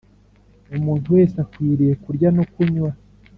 Umuntu wese akwiriye kurya no kunywa